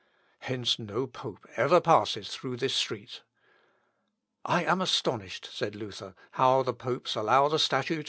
Hence no pope ever passes through this street. "I am astonished," said Luther, "how the popes allow the statue to remain."